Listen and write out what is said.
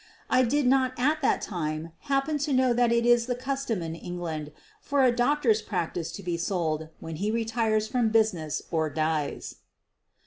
I did not at that time happen to know that it is the custom in England for a doctor's practice to be sold when he retires from business or dies.